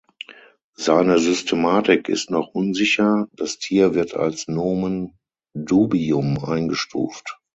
Seine Systematik ist noch unsicher, das Tier wird als Nomen dubium eingestuft.